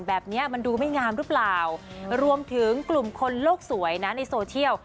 แบบนี้มันดูไม่งามหรือเปล่ารวมถึงกลุ่มคนโลกสวยนะในโซเชียล